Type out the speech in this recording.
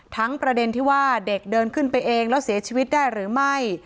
ประเด็นที่ว่าเด็กเดินขึ้นไปเองแล้วเสียชีวิตได้หรือไม่